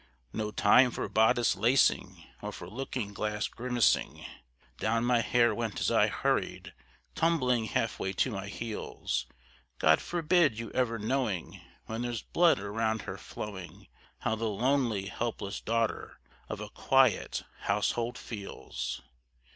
No time for bodice lacing or for looking glass grimacing; Down my hair went as I hurried, tumbling half way to my heels; God forbid your ever knowing, when there's blood around her flowing, How the lonely, helpless daughter of a quiet household feels!